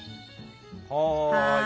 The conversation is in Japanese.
はい。